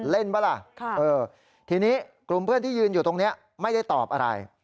ป่ะล่ะทีนี้กลุ่มเพื่อนที่ยืนอยู่ตรงนี้ไม่ได้ตอบอะไร